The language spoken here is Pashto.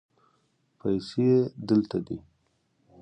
پیسې دلته دي